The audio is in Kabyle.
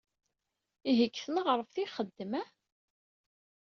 Ihi deg tneɣraft i ixeddem, ah?